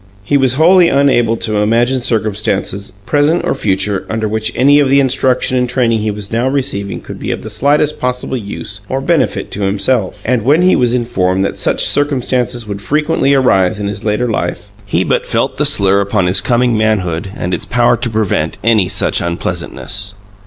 He was wholly unable to imagine circumstances, present or future, under which any of the instruction and training he was now receiving could be of the slightest possible use or benefit to himself; and when he was informed that such circumstances would frequently arise in his later life, he but felt the slur upon his coming manhood and its power to prevent any such unpleasantness.